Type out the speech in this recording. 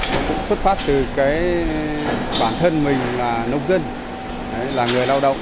tôi cũng xuất phát từ bản thân mình là nông dân là người lao động